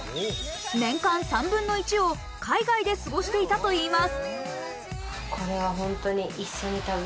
年間３分の１を海外で過ごしていたといいます。